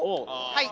はい！